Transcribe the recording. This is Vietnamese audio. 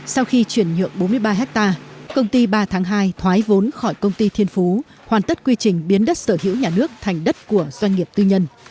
sau khi chuyển nhượng bốn mươi ba hectare công ty ba tháng hai thoái vốn khỏi công ty thiên phú hoàn tất quy trình biến đất sở hữu nhà nước thành đất của doanh nghiệp tư nhân